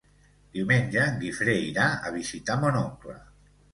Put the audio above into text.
Diumenge en Guifré irà a visitar mon oncle.